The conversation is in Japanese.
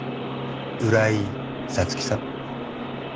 浦井沙月さん。